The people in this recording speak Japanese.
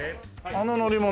あの乗り物？